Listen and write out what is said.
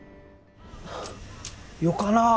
よかなぁ